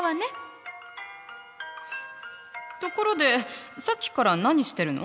ところでさっきから何してるの？